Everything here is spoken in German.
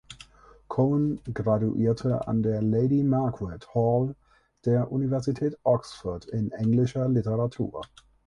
Cohen graduierte an der Lady Margaret Hall der Universität Oxford in Englischer Literatur.